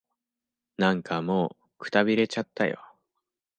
なんかもう、くたびれちゃったよ。